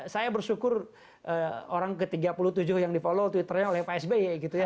saya bersyukur orang ke tiga puluh tujuh yang di follow twitternya oleh bapak sby